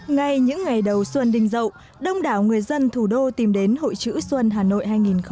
ngay những ngày đầu xuân đình dậu đông đảo người dân thủ đô tìm đến hội chữ xuân hà nội hai nghìn một mươi chín